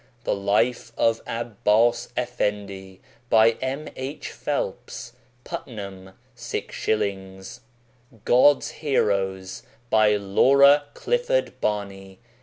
The Life of Abbas Effendi by M. H. Phelps. PUTNAM. 6s. God's Heroes by Laura Clifford Barney.